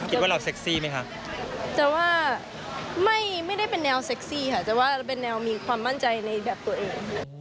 คิดว่าเราเซ็กซี่ไหมคะแต่ว่าไม่ได้เป็นแนวเซ็กซี่ค่ะแต่ว่าเป็นแนวมีความมั่นใจในแบบตัวเอง